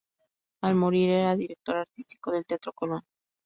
Al morir era director artístico del Teatro Colón.